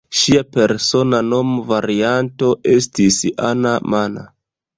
Ŝia persona nomvarianto estis "Anna-manna".